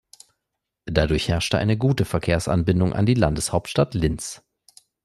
Dadurch herrscht eine gute Verkehrsanbindung an die Landeshauptstadt Linz.